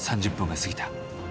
３０分が過ぎた。